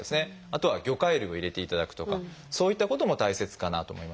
あとは魚介類を入れていただくとかそういったことも大切かなと思います。